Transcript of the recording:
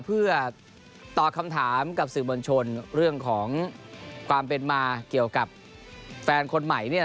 เพื่อตอบคำถามกับสื่อมวลชนเรื่องของความเป็นมาเกี่ยวกับแฟนคนใหม่